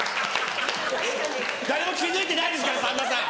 誰も気付いてないですからさんまさん！